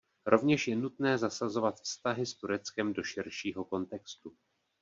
Rovněž je nutné zasazovat vztahy s Tureckem do širšího kontextu.